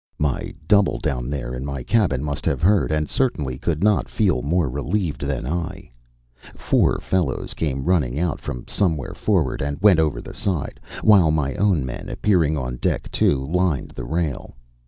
My double down there in my cabin must have heard, and certainly could not feel more relieved than I. Four fellows came running out from somewhere forward and went over the side, while my own men, appearing on deck too, lined the rail.